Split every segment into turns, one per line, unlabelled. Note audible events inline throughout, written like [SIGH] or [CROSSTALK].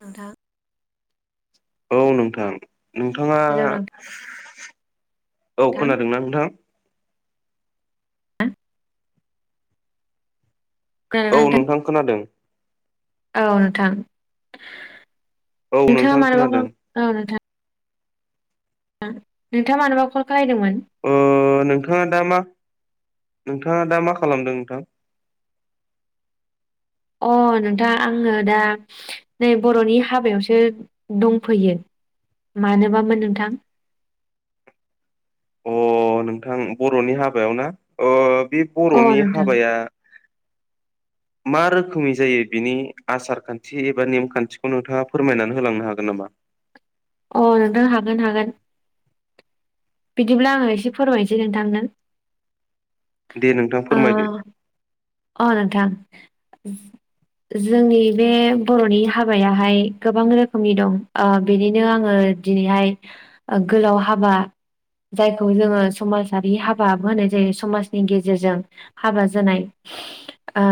नोंथां।
औ नोंथां नोंथाङा।
हेलौ नोंथां
औ खोनादोंना नोंथां। औ नोंथां खोनादों।
औ नोंथां
औ
नोंथाङा
नोंथां
मानोबा
खोनादों
फन औ नोंथां। नोंथाङा मानोबा। कल खालायदोंमोन
ओ नोंथाङा दा मा। नोंथाङा दा मा खालामदों नोंथां।
अ नोंथां आङो दा नै बर'नि हाबायावसो दंफैयो। मानोबामोन नोंथां।
अ नोंथां बर'नि हाबायाव ना ओ। बे
अ
बर'नि
नोंथां
हाबाया। मा रोखोमनि जायो बिनि आसार खान्थि एबा नेमखान्थिखौ नोंथाङा फोरमायनानै होलांनो हागोन नामा। [UNINTELLIGIBLE] [INAUDIBLE]
अ नोंनो हागोन हागोन। बिदिब्ला आङो एसे फोरमायनोसै नोंथांनो।
दे नोंथां
आ
फोरमायदो
अ नोथां। जोंनि बे बर'नि हाबायाहाय गोबां रोखोमनि दं ओ बेनिनो आङो। दिनैहाय गोलाव हाबा। जायखौ जोङो समाजारि हाबा होनाय जायो समाजनि गेजेरजों हाबा जानाय।
[INAUDIBLE]
आ।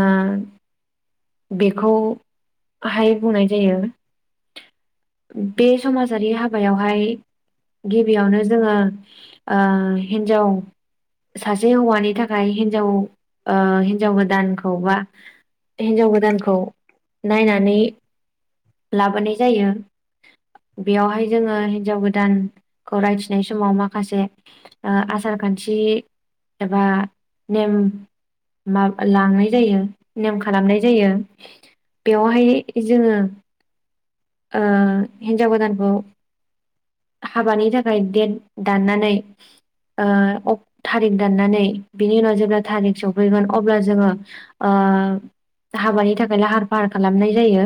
बेखौहाय बुंनाय जायो। बे समाजारि हाबायावहाय। गिबियावनो जोङो ओ हिन्जाव। सासे हौवानि थाखाय हिनजाव ओ हिनजाव गोदानखौबा। हिनजाव गोदानखौ नायनानै लाबोनाय जायो। बेयावहाय जोङो हिनजाव गोदानखौ रायथिनाय समाव माखासे ओ आसार खान्थि। थि एबा नेम। मा लांनाय जायो नेम खालामनाय जायो। बेवहाय जोङो ओ हिनजाव गोदानखौ। हाबानि थाखाय देत दाननानै। ओ अथारिक दाननानै बिनि उनाव जेब्ला थारिख सफैगोन अब्ला जोङो। ओ हाबानि थाखाय लाहार फाहार खालामनाय जायो।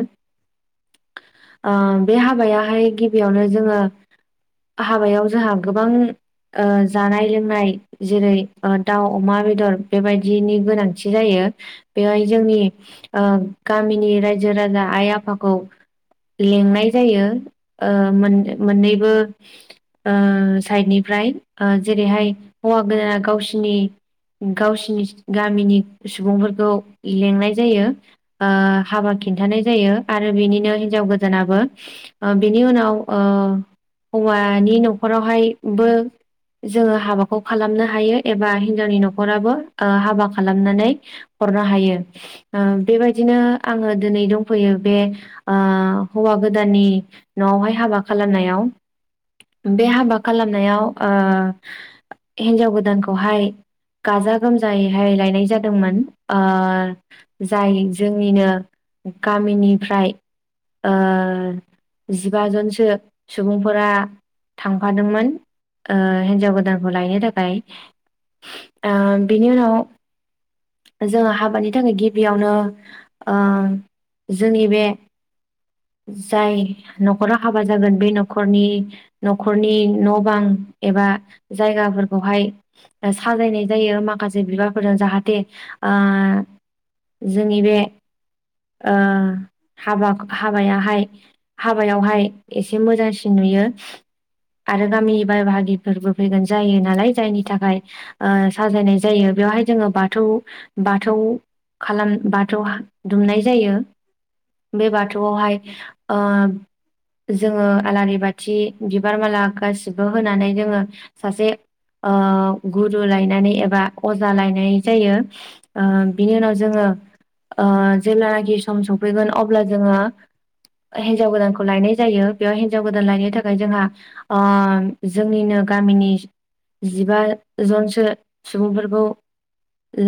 ओ बे हाबायाहाय गिबियावनो जोङो। हाबायाव जोंहा गोबां। जानाय लोंनाय जेरै ओ दाउ अमा बेदर बेबायदिनि गोनांथि जायो। बेवहाय जोंनि ओ गामिनि रायजो राजा आइ आफाखौ। लिंनाय जायो ओ मोन मोननैबो। ओ साइडनिफ्राय जेरैहाय हौवा गोदाना गावसिनि। गावसिनि गामिनि सुबुंफोरखौ लिंनाय जायो हाबा। खिन्थानाय जायो आरो बिनिनो हिनजाव गोजानाबो बिनि उनाव। हौवानि न'खरावहायबो। जोङो हाबाखौ खालामनो हायो एबा हिनजावनि न'खराबो हाबा खालामनानै। हरनो हायो ओ बेबायदिनो आङो दिनै दंफैयो। बे ओ हौवा गोदाननि न'आवहाय हाबा खालामनायाव। बे हाबा खालामनायाव ओ हिन्जाव गोदानखौहाय। गाजा गोमजायैहाय लायनाय जादोंमोन ओ जाय जोंनिनो। गामिनिफ्राय। जिबाजनसो सुबुंफोरा। थांफादोंमोन हिनजाव गोदानखौ लायनो थाखाय। आ बिनि उनाव। जोङो हाबानि थाखाय गिबियावनो। जोंनि बे। जाय न'खराव हाबा जागोन बे न'खरनि न'खरनि न' बां। एबा जायगाफोरखौहाय साजायनाय जायो माखासे बिबारफोरजों जाहाथे। ओ जोंनि बे ओ। हाबा हाबायाहाय हाबायावहाय एसे मोजांसिन नुयो। आरो गामिनि बाय बाहागिफोरबो फैगोन जायो नालाय जायनि थाखाय साजायनाय जायो। बेवहाय जोङो बाथौ बाथौ खालाम बाथौ दुमनाय जायो। बे बाथौआवहाय। जोङो आलारि बाथि बिबार माला गासिबो होनानै जोङो सासे। गुरु लायनानै एबा अजा लायनाय जायो बिनि उनाव जोङो। जेब्लानाखि सम सफैगोन अब्ला जोङो। हिनजाव गोदानखौ लायनाय जायो बेयाव हिनजाव गोदान लायनो थाखाय जोंहा जोंनिनो। गामिनि जिबा जनसो सुबुंफोरखौ।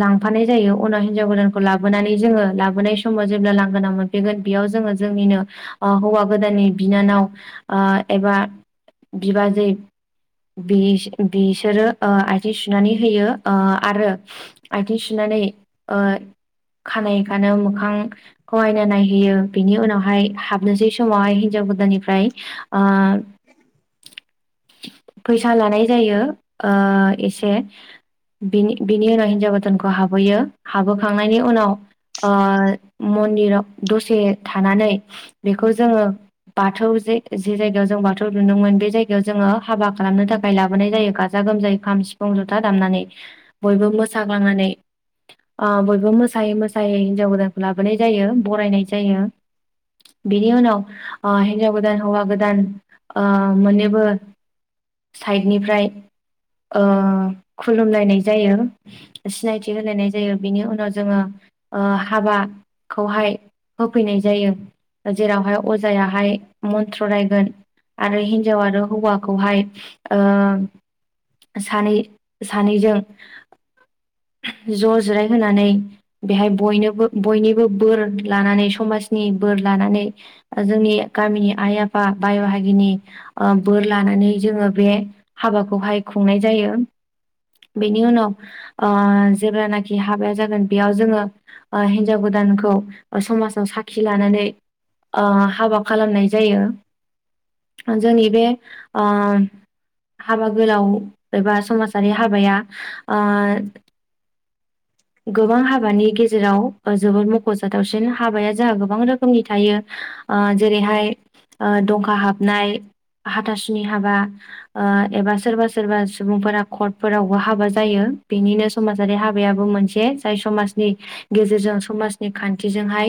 लांफानाय जायो उनाव हिनजाव गोदानखौ लाबोनानै जोङो लाबोनाय समाव जेब्ला लां। गोना मोनफैगोन बेयाव जोङो जोंनिनो ओ हौवा गोदाननि बिनानाव एबा। बिबाजै। बिसोरो आथिं सुनानै होयो आरो आथिं सुनानै खानाय खानो मोखां खौ आयना नायहैयो बिनि उनावहाय हाबनोसै समावहाय हिनजाव गोदाननिफ्राय
[INAUDIBLE]
फैसा लानाय जायो ओ एसे बिनि बिनि उनाव हिनजाव गोदानखौ हाबहोयो हाबहोखांनायनि उनाव मन्दिराव दसे थानानै बेखौ जोङो बाथौ जे जे जायगायाव जों बाथौ लुदोंमोन बे जायगायाव जोङो हाबा खालामनो थाखाय लाबोनाय जायो गाजा गाजा गोमजायै खाम सिफुं जथा दामनानै बयबो मोसाग्लांनानै बयबो मोसायै मोसायै हिनजाव गोदानखौ लाबोनाय जायो बरायनाय जायो बिनि उनाव हिनजाव गोदान हौवा गोदान मोननैबो साइडनिफ्राय खुलुमलायनाय जायो सिनायथि होलायनाय जायो बिनि उनाव जोङो हाबाखौहाय होफैनाय जायो जेरावहाय अजायाहाय मन्त्र रायगोन आरो हिन्जाव आरो हौवाखौहाय सानै सानैजों ज' जिरायहानै बेहाय बयनोबो बयनिबो बोर लानानै समाजनि बोर लानानै जोंनि गामिनि आइ आफा बायहागिनि बोर लानानै जोङो बे हाबाखौहाय खुंनाय जायो। बेनि उनाव ओ जेब्लानाखि हाबाया जागोन बेयाव जोङो ओ हिनजाव ओ हाबा खालामनाय जायो। जोंनि बे ओ हाबा गोलाव एबा समाजारि हाबाया ओ गोबां हाबानि गेजेराव जोबद मख'जाथावसिन हाबाया जोंहा गोबां रोखोमनि थायो। ओ जेरैहाय ओ दंखा हाबनाय। हाथासुनि हाबा ओ एबा सोरबा सोरबा सुबुंफोरा कर्टफोरावबो हाबा जायो। बेनिनो समाजारि हाबायाबो मोनसे बे जाय समाजनि गेजेरजों समाजनि खान्थिजोंहाय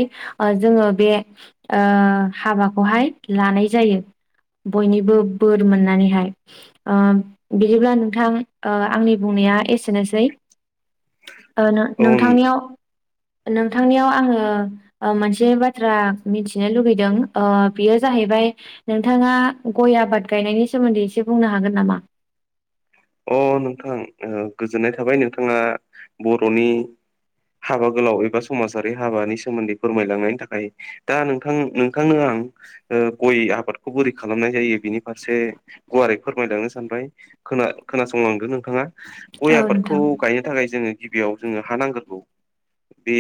जोङो बे ओ ओ हाबाखौहाय लानाय जायो। बयनिबो बोर मोननानैहाय। ओ‌ बिदिब्ला नोंथां आंनि बुंनाय आ एसेनोसै।
[INAUDIBLE]
ओ
औ
नों-नोंथांनियाव नोंथांनियाव आङो ओ मोनसे बाथ्रा मिथिनो लुगैदों ओ बेयो जाहैबाय बाय नोंथाङा गय आबाद गायनायनि सोमोन्दै एसे बुंनो हागोन नामा?
[INAUDIBLE] अ नोंथां गोजोननाय थाबाय। नोंथाङा बर'नि हाबा गोलाव एबा समाजारि हाबानि सोमोन्दै फोरमायलांनायनि थाखाय। दा नोंथां नोंथांनों ओ गय आबादखौ बोरै खालामनाय जायो बिनि फारसे गुवारै फोरमायलांनो सानबाय। खोना खोनासंलांदो नोंथाङा। गय
औ
आबादखौ
नोंथां
गायनो थाखाय जोङो बेयाव जोङो हा नांगोरगौ। बे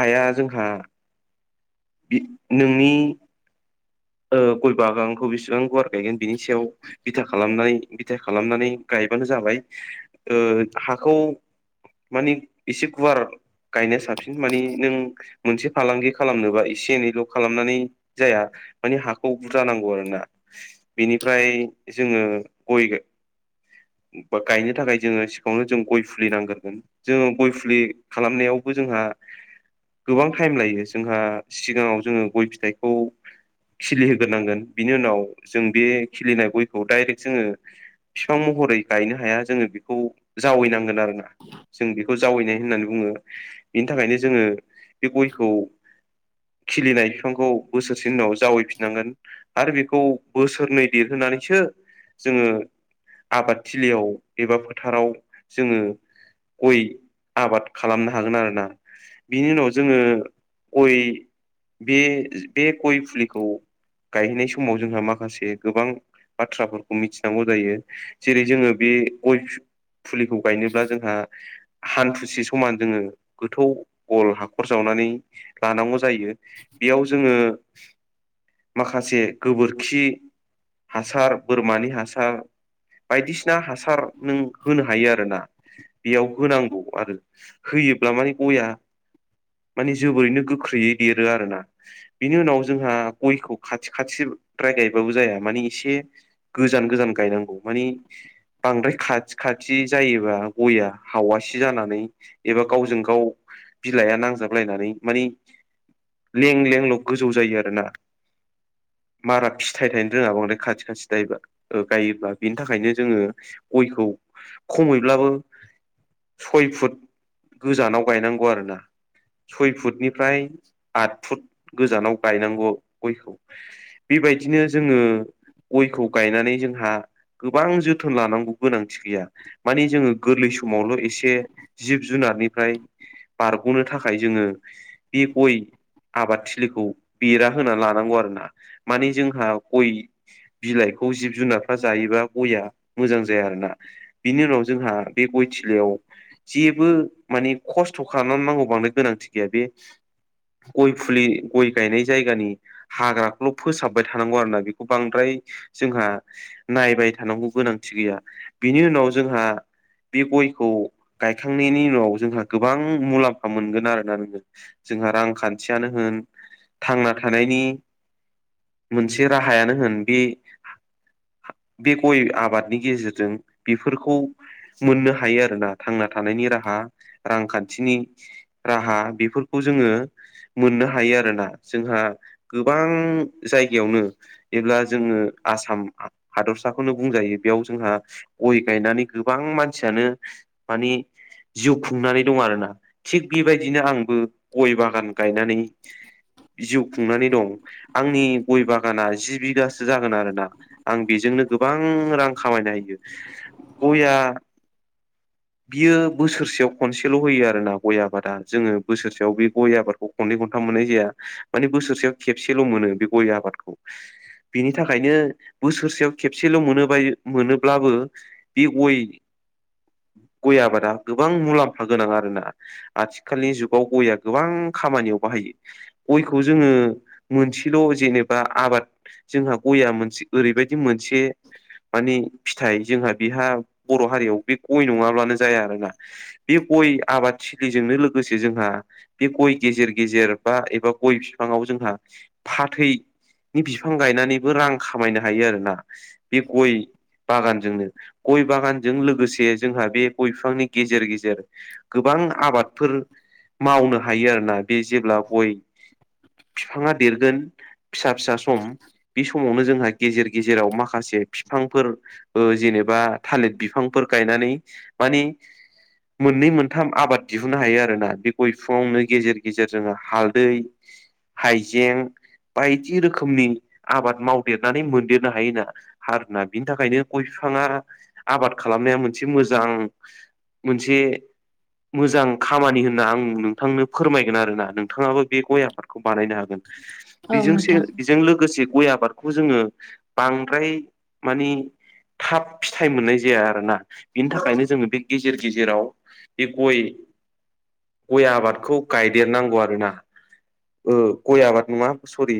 हाया जोंहा बि नोंनि ओ गय बागानखौ बिसिबां गुवार गायगोन बिनि सायाव बिथा खालामनानै बिथा खालामनानै गाय गायबानो जाबाय। ओ हाखौ मानि एसे गुवार गायनाया साबसिन। माने नों मोनसे फालांगि खालामनोबा एसे एनैल' खालामनानै जाया‌। मानि हाखौ बुरजा नांगौ आरोना। बेनिफ्राय जोङो गय बा गायनो थाखाय जोङो सिगाङावनो जों गय फुलि नांगोरगोन। जोङो गय फुलि खालामनायाव जोंहा गोबां टाइम लायो। जोंहा सिगाङाव जोङो गय फिथाइखौ खिलिहोग्रोनांगोन। बिनि उनाव जों बे खिलिनाय गयखौ डाइरेक्ट जोङो बिफां महरै गायनो हाया। जोङो बेखौ जावैनांगोन आरो ना जों बेखौ जावैनाय होननानै बुङो। बेनि थाखायनो जोङो बे गयखौ खिलिनाय बिफांखौ बोसोरसे उनाव जावैफिननांगोन आरो बेखौ बोसोरनै देरहोनानैसो जोङो आबाद थिलियाव एबा फोथाराव जोङो गय आबाद खालामनो हागोन आरो ना। बिनि उनाव जोङो गय बे बे गय फुलिखौ गायहैनाय समाव जोंहा माखासे गोबां बाथ्राफोरखौ मिथिनांगौ जायो जेरै जोङो बे गय फुलिखौ गायनोब्ला जोंहा हान्थुसि समान जोङो गोथौ गल हाखर जावनो माने लांगौ जायो। बेयाव जोङो माखासे गोबोरखि हासार बोरमानि हासार बायदिसिना हासार नों होनो हायो आरोना। बेयाव होनांगौ आरो होयोब्ला माने गया माने जोबोरैनो गोख्रैयै देरो आरोना। बिनि उनाव जोंहा गयखौ खाथि खाथिद्राय गायबाबो जाया। माने एसे गोजान गोजान गायनांगौ। माने बांद्राय खाथि खाथि जायोबा गयआ हावासि जानानै एबा गावजों गाव बिलाइआ नांजाबलायनानै मानि लें लेंल' गोजौ जायो आरो। आरो ना? मारा फिथाइ थायनो रोङा बांद्राय खाथि-खाथि गायो गायोब्ला बिनि थाखायनो जोङो गयखौ खमैब्लाबो सय फुट गोजानाव गायनांगौ आरोना। सय फुटनिफ्राय आट फुट गोजानाव गायनांगौ गयखौ, बेबायदिनो जोङो गयखौ गायनानै जोंहा गोबां जोथोन लानांगौ गोनांथि गैया, माने जोङो गोरलै समावल' एसे जिब-जुनार निफ्राय बारग'नो थाखाय जोङो बे गय आबादथिलिखौ बेरा होना लानांगौ आरो ना। माने जोंहा गय बिलाइखौ जिब-जुनारफ्रा जायोबा गया मोजां जाया आरोना। बिनि उनाव जोंहा बे गय थिलियाव जेबो माने खस्थ' खालामनांगौ नांगौ बांद्राय गोनांथि गैया बे गय फुलि गय गायनाय जायगानि हाग्राखौल' फोसाबबाय थानांगौ आरोना बेखौ बांद्राय जोंहा नायबाय थानांगौ गोनांथि गैया। बिनि उनाव जोंहा बे गयखौ गायखांनायनि उनाव जोंहा गोबां मुलाम्फा मोनगोन आरोना नोङो, जोंहा रांखान्थियानो होन थांना थानायनि मोनसे राहायानो होन, बे बे गय आबादनि गेजेरजों बेफोरखौ मोननो हायो आरोना, थांना थानायनि राहा, रांखान्थिनि राहा बेफोरखौ जोङो मोननो हायो आरोना। जोंहा गोबां जायगायावनो जेब्ला जोङो आसाम हादर साखौनो बुंजायो बेयाव जोंहा गय गायनानै गोबां मानसियानो मानि जिउ खुंनानै दं आरो ना। थिग बेबायदिनो आंबो गय बागान गायनानै जिउ खुंनानै दं। आंनि गय बागाना जि बिगासो जागोन आरोना, आं बेजोंनो गोबां रां खामायनो हायो। गइया बियो बोसोरसेयाव खनसेल' होयो आरो ना गय आबादा जोङो बोसोरसेयाव बे गय आबादखौ खननै- खनथाम मोननाय जाया। माने बोसोरसेयाव खेबसेल' मोनो बे गय आबादखौ बिनि थाखायनो बोसोरसेयाव खेबसेल' मोनोबाय मोनोब्लाबो बे गय [INAUDIBLE] गय आबादा गोबां मुलाम्फा गोनां आरो ना। आथिखालनि जुगाव गयआ गोबां खामानियाव बाहाय जायो। गयखौ जोङो मोनसेल' जेनेबा आबाद जोंहा गयआ मोनसे ओरैबायदि मोन से माने फिथाइ जोंहा बिहा बर' हारियाव बे गय नङाब्लानो जाया आरोना। बे गय आबाद थिलिजोंनो लोगोसे जोंहा बे गय गेजेर गेजेर बा ए बा गय बिफाङाव जोंहा फाथै नि बिफां गायनानैबो रां खामायनो हायो आरो ना। बे गय बागानजोंनो गय बागानजों लोगोसे जोंहा बे गय बिफांनि गेजेर-गेजेर गोबां बां आबादफोर मावनो हायो आरोना। बे जेब्ला गय बिफाङा देरगोन फिसा-फिसा सम बे समावनो जोंहा गेजेर-गेजेराव माखासे बिफांफोर ओ जेनेबा थालिर बिफांफोर गायनानै मानि मोननै-मोनथाम आबाद दिहुननो हायो आरोना बे गय फिफाङावनो गेजेर गेजेर जोङो हालदै, हाइजें, बायदि रोखोमनि आबाद मावदेरनानै मोनदेरनो हायोना आरोना बिनि थाखायनो गय फि फिफाङा आबाद खालामनाया मोनसे मोजां मोनसे मोजां खामानि होनना आं नोंथांनो फोरमायगोन आरोना, नोंथाङाबो बे गय आफादखौ बानायनो हागोन।
औ
बेजों
नोंथां
सेर बेजों लोगोसे गय आबाद आबादखौबो जोंङो बांद्राय मानि थाब फिथाइ मोननाय जाया आरोना। बिनि थाखायनो जोंङो बे गेजेर गेजेराव बे गय गय आबादखौ गायदेरनांगौ आरो ना ओ गय आबाद नंङा सरि